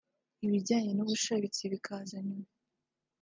ibijyane n’ubushabitsi bikaza nyuma